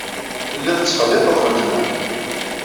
Telliḍ tettqelliqeḍ weltma-m.